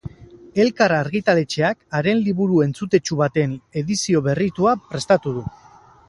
Elkar argitaletxeak haren liburu entzutetsu baten edizio berritua prestatu du.